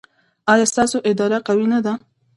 ایا ستاسو اراده قوي نه ده؟